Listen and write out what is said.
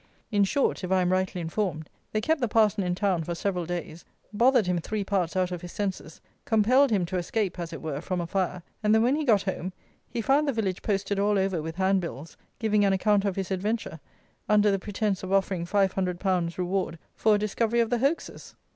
In short, if I am rightly informed, they kept the parson in town for several days, bothered him three parts out of his senses, compelled him to escape, as it were, from a fire; and then, when he got home, he found the village posted all over with handbills giving an account of his adventure, under the pretence of offering 500_l._ reward for a discovery of the hoaxers!